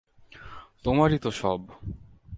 তোমারই তো সব।